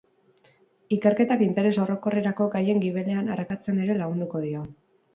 Ikerketak interes orokorrerako gaien gibelean arakatzen ere lagunduko dio.